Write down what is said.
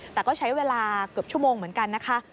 แต่ก็ใช้เวลาเกือบชั่วโมงเหมือนกันนะคะ